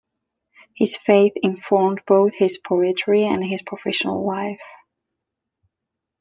His faith informed both his poetry and his professional life.